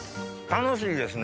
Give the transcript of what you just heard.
楽しいですね